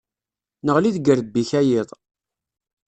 Neɣli deg yirrebi-k a yiḍ.